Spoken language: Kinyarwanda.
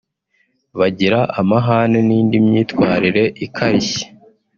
bagira amahane n’indi myitwarire ikarishye